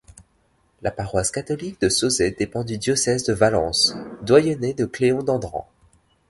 La paroisse catholique de Sauzet dépend du diocèse de Valence, doyenné de Cléon-d'Andran.